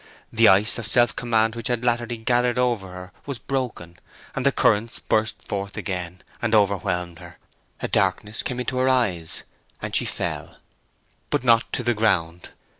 The ice of self command which had latterly gathered over her was broken, and the currents burst forth again, and overwhelmed her. A darkness came into her eyes, and she fell. But not to the ground.